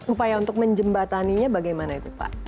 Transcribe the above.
upaya untuk menjembataninya bagaimana itu pak